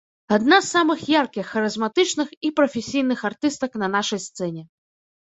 Адна з самых яркіх, харызматычных і прафесійных артыстак на нашай сцэне.